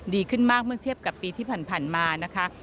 ดีขึ้นมากเมื่อเทียบกับปีที่ผ่านมานะคะ